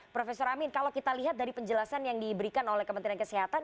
profesor amin kalau kita lihat dari penjelasan yang diberikan oleh kementerian kesehatan